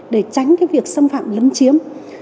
để tránh việc xâm phạm lấn chiếm